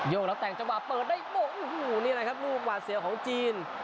แล้วแต่งจังหวะเปิดได้โบกโอ้โหนี่แหละครับลูกหวาดเสียวของจีน